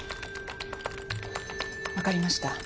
分かりました。